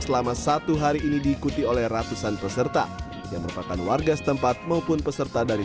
selama satu hari ini diikuti oleh ratusan peserta yang merupakan warga setempat maupun peserta dari